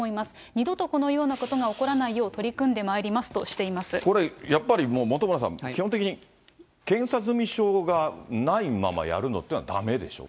二度とこのようなことが起こらないよう取り組んでまいりますとしこれ、やっぱりもう本村さん、基本的に検査済証がないままやるっていうのはだめでしょう？